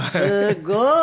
すごい。